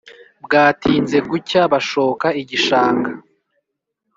bwatinze gucya bashoka igishanga